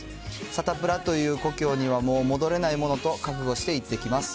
サタプラという故郷にはもう戻れないものと覚悟して行ってきます。